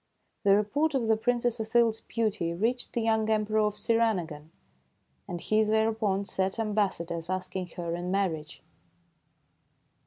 The report of the Princess Othilde 's beauty reached the young Emperor of Sirinagon, and he thereupon sent am bassadors asking her in marriage.